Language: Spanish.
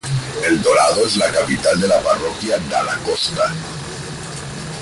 El Dorado es la capital de la parroquia Dalla-Costa.